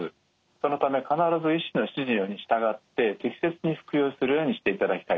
そのため必ず医師の指示に従って適切に服用するようにしていただきたいですね。